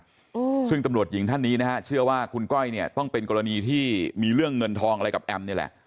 อืมซึ่งตำรวจหญิงท่านนี้นะฮะเชื่อว่าคุณก้อยเนี้ยต้องเป็นกรณีที่มีเรื่องเงินทองอะไรกับแอมนี่แหละ